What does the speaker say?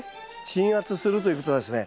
鎮圧するということはですね